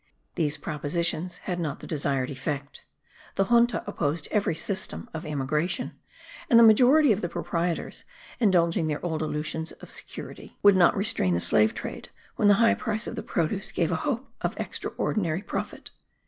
These propositions had not the desired effect. The junta opposed every system of immigration, and the majority of the proprietors, indulging their old illusions of security, would not restrain the slave trade when the high price of the produce gave a hope of extraordinary profit.